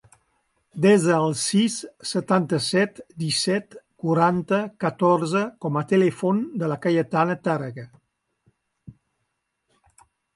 Desa el sis, setanta-set, disset, quaranta, catorze com a telèfon de la Cayetana Tarrega.